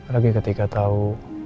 lagi ketika tahu